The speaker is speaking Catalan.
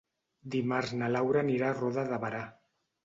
Dimarts na Laura anirà a Roda de Berà.